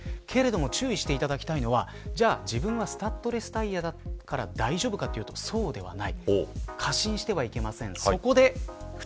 けれども注意していただきたいのは自分はスタッドレスタイヤだから大丈夫かというとそうではない。